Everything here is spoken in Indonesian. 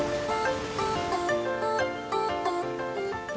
rumah makan ini adalah salah satunya